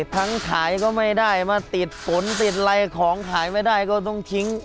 ขายก็ไม่ได้มาติดฝนติดอะไรของขายไม่ได้ก็ต้องทิ้ง